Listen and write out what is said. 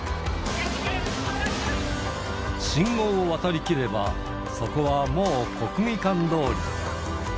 信号を渡りきれば、そこはもう国技館通り。